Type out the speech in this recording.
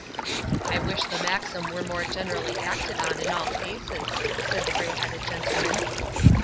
'I wish the maxim were more generally acted on, in all cases,' said the grey headed gentleman.